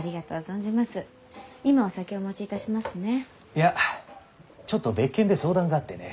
いやちょっと別件で相談があってね。